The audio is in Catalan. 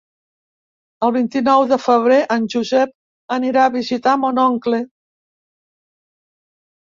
El vint-i-nou de febrer en Josep anirà a visitar mon oncle.